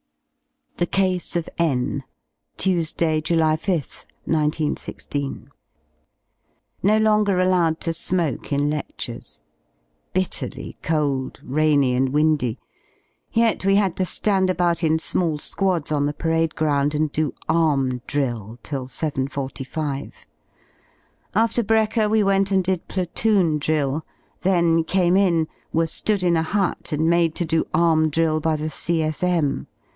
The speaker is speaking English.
THE CASE OF N..... Tuesday, July 5th, 1916. ^*^ No longer allowed to smoke in ledures. Bitterly cold, rainy and windy; yet we had to ^and about in small squads on the parade ground and do arm drill till 7.45. After brekker we went and did platoon drill, then came in, were ^ood in a hut and made to do arm drill by the C.S.M.